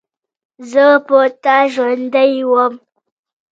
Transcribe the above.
زه په تا ژوندۍ وم.